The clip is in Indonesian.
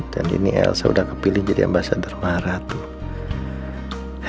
dan ini elsa udah kepilih jadi ambasadermarah tuh